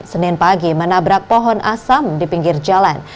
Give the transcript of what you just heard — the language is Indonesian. senin pagi menabrak pohon asam di pinggir jalan